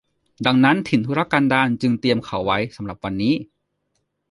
ดังนั้นถิ่นทุรกันดารจึงเตรียมเขาไว้สำหรับวันนี้